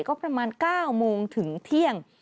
ก็ประมาณ๙โมงถึงเที่ยง